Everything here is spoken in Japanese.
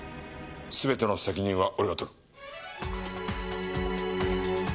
全ての責任は俺が取る。